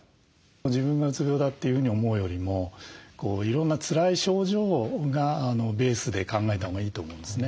自分がうつ病だというふうに思うよりもいろんなつらい症状がベースで考えたほうがいいと思うんですね。